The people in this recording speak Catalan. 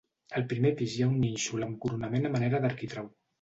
Al primer pis hi ha un nínxol amb coronament a manera d'arquitrau.